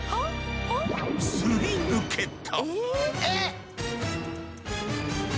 すり抜けた。